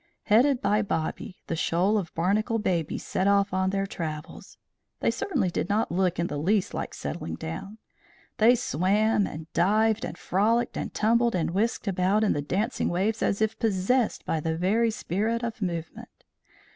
Headed by Bobby, the shoal of Barnacle babies set off on their travels. They certainly did not look in the least like settling down. They swam and dived and frolicked and tumbled and whisked about in the dancing waves as if possessed by the very spirit of movement.